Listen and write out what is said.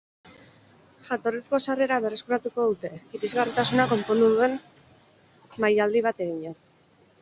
Jatorrizko sarrera berreskuratuko dute, irisgarritasuna konponduko duen mailadi bat eginez.